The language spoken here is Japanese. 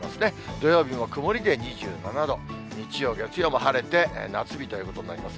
土曜日も曇りで２７度、日曜、月曜も晴れて、夏日ということになります。